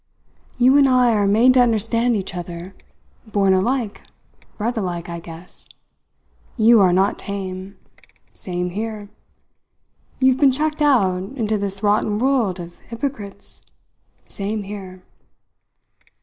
"You and I are made to understand each other. Born alike, bred alike, I guess. You are not tame. Same here! You have been chucked out into this rotten world of 'yporcrits. Same here!"